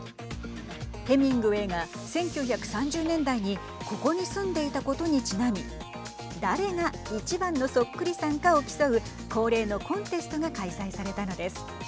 ヘミングウェーが１９３０年代にここに住んでいたことにちなみ誰が１番のそっくりさんかを競う恒例のコンテストが開催されたのです。